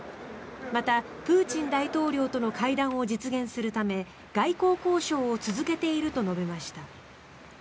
また、プーチン大統領との会談を実現するため外交交渉を続けていると述べました。